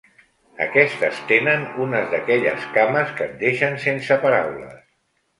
Aquestes tenen unes d'aquelles cames que et deixen sense paraules.